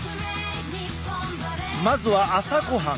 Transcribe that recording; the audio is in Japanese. まずは朝ごはん。